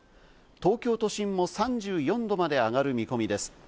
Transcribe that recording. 東京都心も３４度まで上がる見込みです。